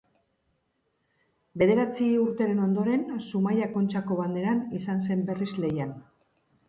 Bederatzi urteren ondoren Zumaia Kontxako Banderan izan zen berriz lehian.